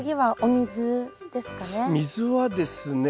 水はですね